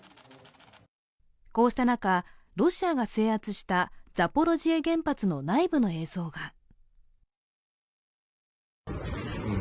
こうした中、ロシアが制圧したザポロジエ原発の内部の映像が。